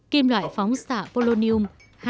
kim loại phóng xạ polonium hai trăm một mươi